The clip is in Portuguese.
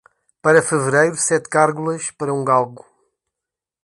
Para fevereiro, sete gárgulas para um galgo.